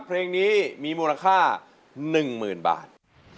เพลงนี้มีมูลค่า๑๐๐๐บาท